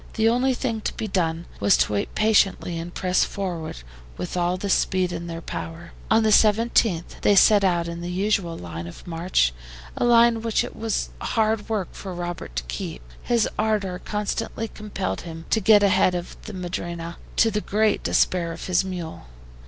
The only thing to be done was to wait patiently and press forward with all the speed in their power. On the 17th they set out in the usual line of march, a line which it was hard work for Robert to keep, his ardor constantly compelled him to get ahead of the MADRINA, to the great despair of his mule.